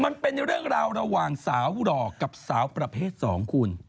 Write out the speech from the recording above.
มันเป็นเรื่องราวระหว่างสาวหล่อกับสาวประเภท๒คุณ